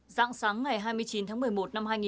giảng sáng ngày hai mươi chín tháng một mươi một